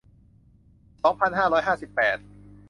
สองพันห้าร้อยห้าสิบแปด